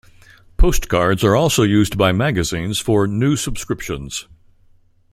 Postcards are also used by magazines for new subscriptions.